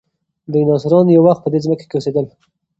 ډیناسوران یو وخت په دې ځمکه کې اوسېدل.